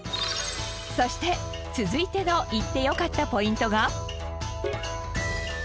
そして続いての行って良かったポイントが。